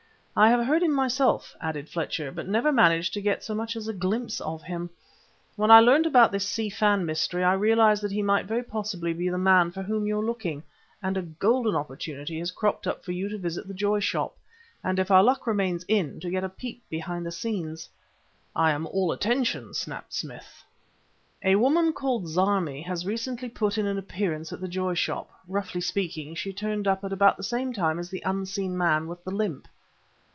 "I have heard him myself," added Fletcher, "but never managed to get so much as a glimpse of him. When I learnt about this Si Fan mystery, I realized that he might very possibly be the man for whom you're looking and a golden opportunity has cropped up for you to visit the Joy Shop, and, if our luck remains in, to get a peep behind the scenes." "I am all attention," snapped Smith. "A woman called Zarmi has recently put in an appearance at the Joy Shop. Roughly speaking, she turned up at about the same time as the unseen man with the limp...."